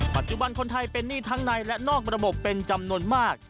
ปัจจุบันคนไทยเป็นหนี้ทั้งในและนอกระบบเป็นจำนวนมาก